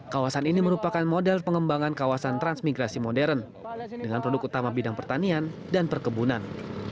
kawasan ini merupakan model pengembangan kawasan transmigrasi modern dengan produk utama bidang pertanian dan perkebunan